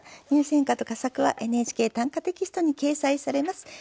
入選歌と佳作は「ＮＨＫ短歌」テキストに掲載されます。